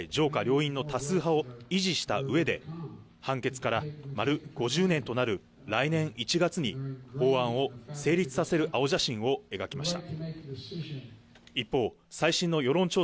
来月８日の中間選挙で勝利し、議会上下両院の多数派を維持した上で、判決から丸５０年となる来年１月に法案を成立させる青写真を描きました。